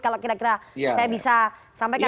kalau kira kira saya bisa sampaikan